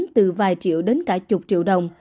từ vài triệu đến cả chục triệu đồng